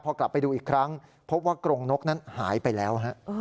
พอกลับไปดูอีกครั้งพบว่ากรงนกนั้นหายไปแล้ว